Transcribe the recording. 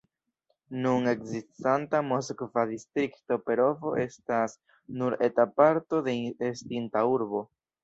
Nun ekzistanta moskva distrikto Perovo estas nur eta parto de estinta urbo.